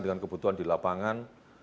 dengan kebutuhan di lapangan